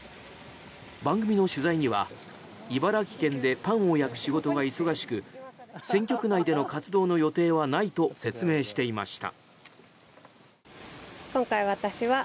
番組の取材には茨城県でパンを焼く仕事が忙しく選挙区内での活動の予定はないと説明していました。